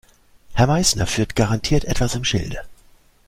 Herr Meißner führt garantiert etwas im Schilde.